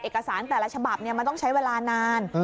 เอกสารแต่ละฉบับมันต้องใช้เวลานาน